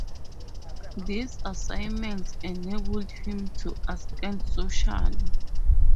These assignments enabled him to ascend socially.